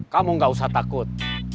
kamu gak usah takut